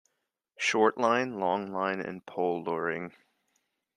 Short line, long line and pole luring.